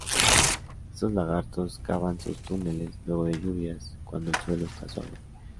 Estos lagartos cavan sus túneles luego de lluvias, cuando el suelo esta suave.